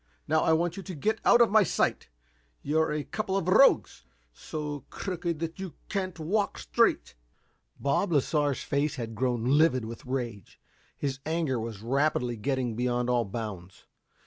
Now, I want you to get out of my sight! You're a couple of rogues so crooked that you can't walk straight." Bob Lasar's face had grown livid with rage. His anger was rapidly getting beyond all bounds.